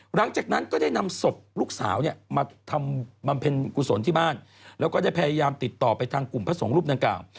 หลังจากนั้นก็ได้นำศพลูกสาวเนี่ยมาทำบำเพ็ญกุศลที่บ้านแล้วก็ได้พยายามติดต่อไปทางกลุ่มพระสงฆ์รูปดังกล่าว